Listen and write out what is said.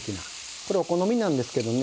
これお好みなんですけどね